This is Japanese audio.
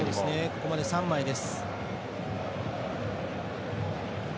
ここまで３枚です。